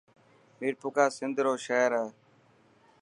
ميپرخاص سنڌ رو شهر هي.